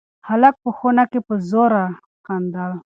هلک په خونه کې په زوره خندل.